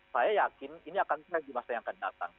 saya yakin ini akan terjadi masa yang akan datang